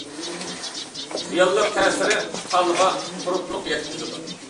زىيانلىق تەسىرى : تالغا قۇرۇقلۇق يەتكۈزىدۇ.